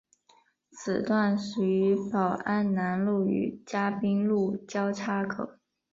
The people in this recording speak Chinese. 此段始于宝安南路与嘉宾路交叉口。